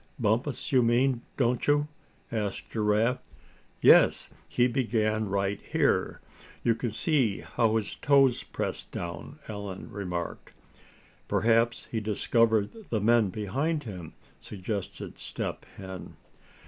"Bumpus, you mean, don't you?" asked Giraffe. "Yes, he began right here. You can see how his toes press down," Allan remarked. "Perhaps he discovered the men behind him," suggested Step Hen.